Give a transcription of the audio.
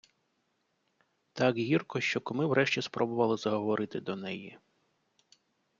Так гірко, що куми врешті спробували заговорити до неї.